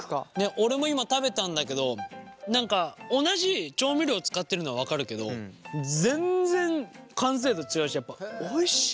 俺も今食べたんだけど何か同じ調味料使ってるのは分かるけど全然完成度違うしやっぱおいしい！